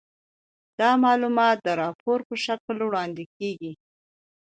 دا معلومات د راپور په شکل وړاندې کیږي.